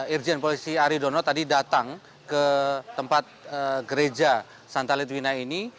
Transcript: irjen polisi aridono tadi datang ke tempat gereja santa litwina ini